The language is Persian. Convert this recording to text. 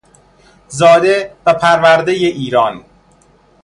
زاده و پروردهی ایران